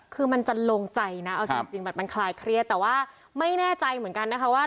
คือมันจะลงใจนะเอาจริงแบบมันคลายเครียดแต่ว่าไม่แน่ใจเหมือนกันนะคะว่า